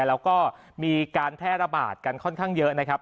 แล้วก็มีการแพร่ระบาดกันค่อนข้างเยอะนะครับ